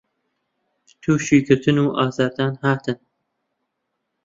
تووشی گرتن و ئازار دان هاتن